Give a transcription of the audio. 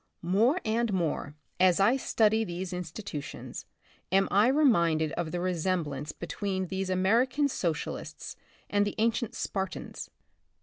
More and more, as I study these institu tions, am I reminded of the resemblance be tween these American socialists and the ancient Spartans.